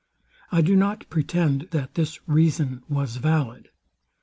I do not pretend, that this reason was valid.